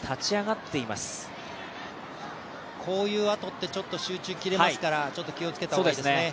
こういうあとって集中切れますからちょっと気をつけた方がいいですね。